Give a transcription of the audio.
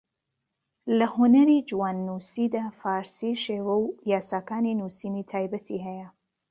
لە ھونەری جواننووسیدا، فارسی شێوەو یاساکانی نوسینی تایبەتی ھەیە